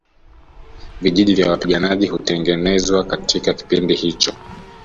Vijiji vya wapiganaji hutengenezwa katika kipindi hicho